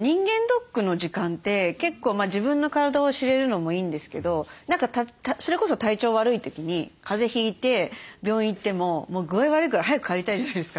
人間ドックの時間って結構自分の体を知れるのもいいんですけど何かそれこそ体調悪い時に風邪ひいて病院行ってももう具合悪いから早く帰りたいじゃないですか。